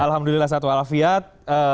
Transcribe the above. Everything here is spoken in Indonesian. alhamdulillah sehat wa'ala fiyat